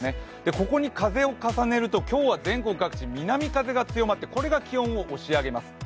ここに風を重ねると今日は全国各地、南風が強まってこれが気温を押し上げます。